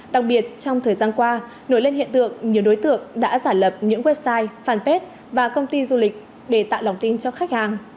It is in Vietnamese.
đặc biệt trong thời gian qua nổi lên hiện tượng nhiều đối tượng đã giả lập những website fanpage và công ty du lịch để tạo lòng tin cho khách hàng